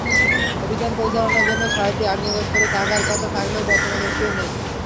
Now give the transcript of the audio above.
অভিযান পরিচালনার জন্য ছয়টি আগ্নেয়াস্ত্র থাকার কথা থাকলেও বর্তমানে একটিও নেই।